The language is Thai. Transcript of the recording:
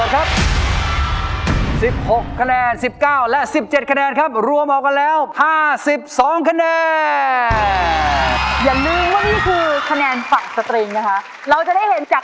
ครับ๑๖คะแนน๑๙และ๑๗คะแนนครับรวมเอากันแล้ว๕๒คะแนนอย่าลืมว่านี่คือคะแนนฝั่งสตริงนะคะเราจะได้เห็นจาก